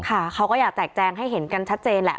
เขาก็อยากแตกแจงให้เห็นกันชัดเจนแหละ